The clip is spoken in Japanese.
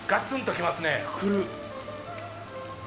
来る。